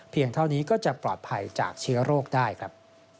เท่านี้ก็จะปลอดภัยจากเชื้อโรคได้ครับ